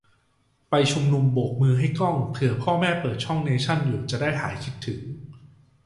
ไปชุมนุมโบกมือให้กล้อง เผื่อพ่อแม่เปิดช่องเนชั่นอยู่จะได้หายคิดถึง